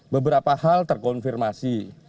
beberapa hal terkonfirmasi